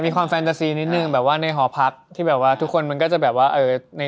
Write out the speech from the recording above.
แฟนตาซีนิดนึงแบบว่าในหอพักที่แบบว่าทุกคนมันก็จะแบบว่าใน